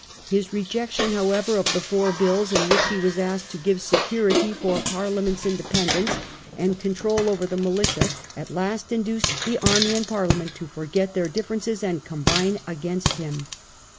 His rejection, however, of the " Four Bills ", in which he was asked to give security for Parliament's independence and control over the Militia, at last induced the army and Parliament to forget their differences and combine against him.